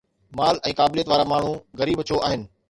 مال ۽ قابليت وارا ماڻهو غريب ڇو آهن؟